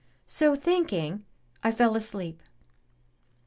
So thinking, I fell asleep.